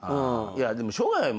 でもしょうがないもんね